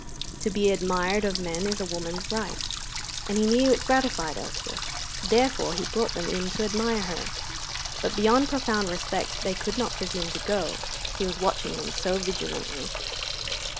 To be admired of men is a woman's right, and he knew it gratified Elspeth; therefore he brought them in to admire her. But beyond profound respect they could not presume to go, he was watching them so vigilantly.